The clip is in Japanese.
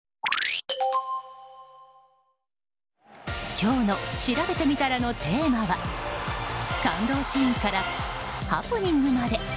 今日のしらべてみたらのテーマは感動シーンからハプニングまで。